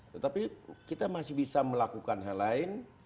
tetapi kita masih bisa melakukan hal lain